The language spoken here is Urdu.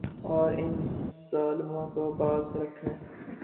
اور ان ظالموں کو باز رکھنے